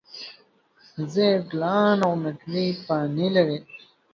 زېړ ګلان او نقریي پاڼې لري.